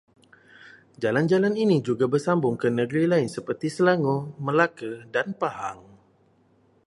Jalan-jalan ini juga bersambung ke negeri lain seperti Selangor, Melaka dan Pahang